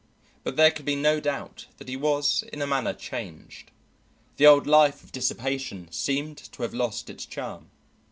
But there could be no doubt that he was in a manner changed; the old life of dissipation seemed to have lost its charm.